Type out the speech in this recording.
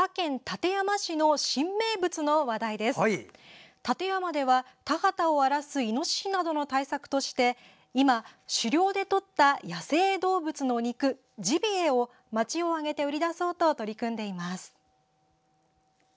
館山では、田畑を荒らすいのししなどの対策として今、狩猟でとった野生動物の肉・ジビエを町を挙げて売り出そうと取り組んでいます。